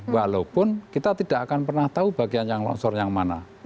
walaupun kita tidak akan pernah tahu bagian yang longsor yang mana